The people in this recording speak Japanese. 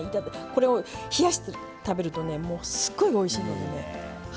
これを冷やして食べるとねもうすごいおいしいのでね是非。